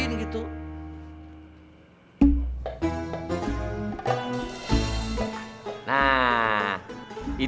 rupanya saya sudah ngebeli